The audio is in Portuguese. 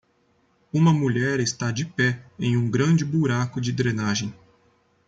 Uma mulher está de pé em um grande buraco de drenagem.